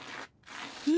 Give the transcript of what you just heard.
え？